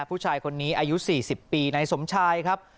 ผู้ชายคนนี้อายุ๔๐ปีนายสมชายครับ